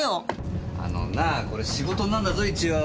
あのなぁこれ仕事なんだぞ一応。